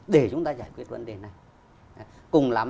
để chúng ta giải quyết vấn đề này